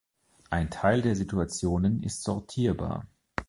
Ein Teil der Situationen ist sortierbar.